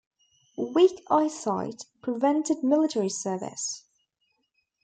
Weak eyesight prevented military service.